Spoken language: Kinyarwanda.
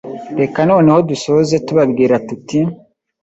Reka noneho dusoze tubabwira tuti